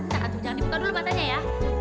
jangan dibuka dulu matanya ya